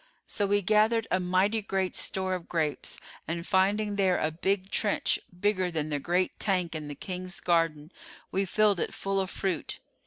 So we gathered a mighty great store of grapes and finding there a big trench bigger than the great tank in the King's garden we filled it full of fruit.